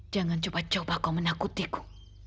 jangan coba coba kau menakutiku